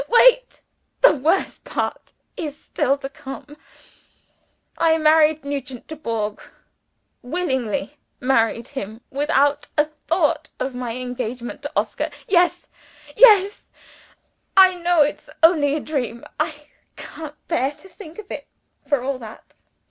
Wait! The worst part of it is to come. I married Nugent Dubourg willingly married him without a thought of my engagement to Oscar. Yes! yes! I know it's only a dream. I can't bear to think of it, for all that.